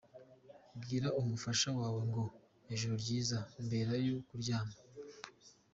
Bwira umufasha wawe ngo “Ijoro ryiza” mbere yo kuryama.